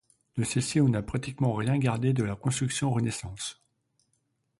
De celle-ci on n'a pratiquement rien gardé de la construction Renaissance.